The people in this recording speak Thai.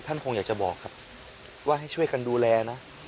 คงอยากจะบอกครับว่าให้ช่วยกันดูแลนะ